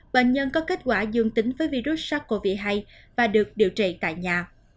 bệnh nhân có kết quả dương tính với virus sars cov hai và được điều trị tại nhà